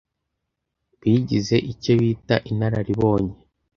bigize icyo bita inararibonye